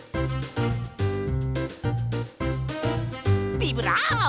ビブラーボ！